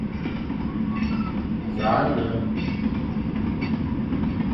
Nẑakh nne,